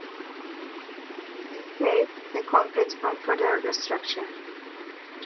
This saved the complex from further destruction.